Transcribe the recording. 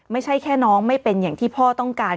ไม่ใช่แค่น้องไม่เป็นอย่างที่พ่อต้องการ